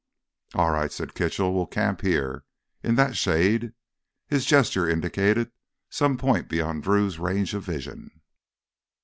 "All right!" said Kitchell. "We'll camp here ... in that shade." His gesture indicated some point beyond Drew's range of vision.